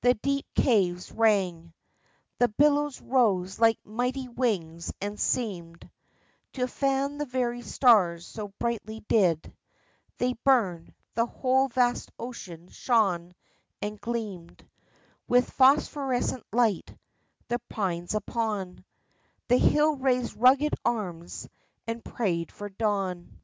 The deep caves rang; The billows rose like mighty wings and seemed To fan the very stars so brightly did They burn ; the whole, vast ocean shone and gleamed With phosphorescent light — the pines upon The hill raised rugged arms and prayed for dawn